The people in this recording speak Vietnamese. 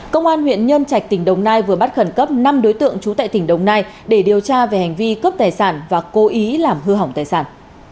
công an huyện nhân trạch tỉnh đồng nai vừa bắt khẩn cấp năm đối tượng trú tại tỉnh đồng nai để điều tra về hành vi cướp tài sản và cố ý làm hư hỏng tài sản